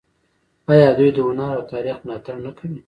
آیا دوی د هنر او تاریخ ملاتړ نه کوي؟